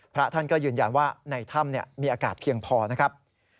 พระท่านก็ยืนยันว่าในถ้ำมีอากาศเพียงพอนะครับ